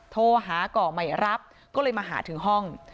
โทรหาก่อใหม่รับก็เลยมาหาถึงห้อง